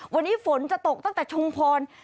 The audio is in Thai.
วันนี้ฝนจะตกตั้งแต่ชุมพร